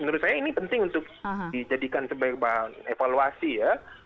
menurut saya ini penting untuk dijadikan sebaik evaluasi ya